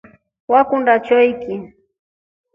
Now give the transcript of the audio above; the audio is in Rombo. Wekunda choiki?